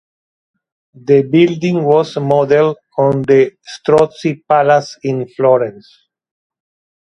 The building was modelled on the Strozzi Palace in Florence.